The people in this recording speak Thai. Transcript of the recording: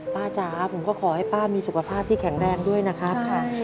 จ๋าผมก็ขอให้ป้ามีสุขภาพที่แข็งแรงด้วยนะครับ